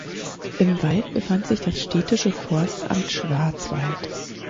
Im Wald befand sich das städtische Forstamt Schwarzwald.